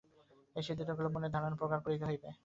এই সিদ্ধান্তবিষয়ে মনের ধারণা প্রগাঢ় করিতে হইবে।